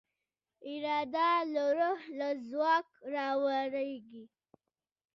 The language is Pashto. اراده د روح له ځواک راولاړېږي.